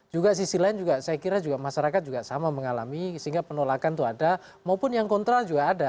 juga sisi lain juga saya kira juga masyarakat juga sama mengalami sehingga penolakan itu ada maupun yang kontra juga ada